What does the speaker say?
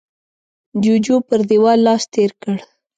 جوجو پر دېوال لاس تېر کړ.